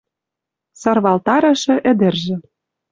Сарвалтарышы ӹдӹржӹ